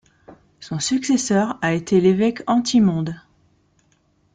Son successeur a été l'évêque Antimonde.